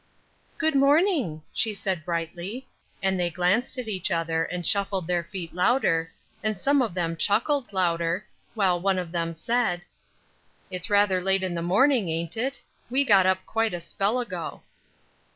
"Good morning," she said, brightly; and they glanced at each other, and shuffled their feet louder, and some of them chuckled louder, while one of them said: "It's rather late in the morning, ain't it? We got up quite a spell ago."